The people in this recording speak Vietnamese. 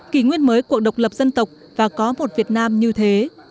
kỷ nguyên mới của độc lập dân tộc và có một việt nam như thế